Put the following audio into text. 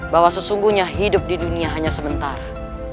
bahwa sesungguhnya hidup di dunia hanya sementara